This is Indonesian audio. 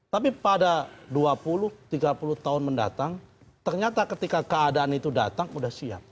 tapi pada dua puluh tiga puluh tahun mendatang ternyata ketika keadaan itu datang sudah siap